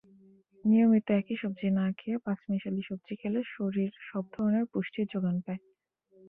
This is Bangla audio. নিয়মিত একই সবজি না খেয়ে পাঁচমিশালী সবজি খেলে শরীর সব ধরনের পুষ্টির জোগান পায়।